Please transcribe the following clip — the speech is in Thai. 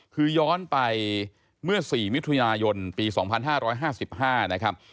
คือย้อนไปเมื่อ๔มิถุนายนปี๒๕๕๕นะครับ